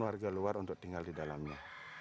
warga luar untuk tinggal di dalamnya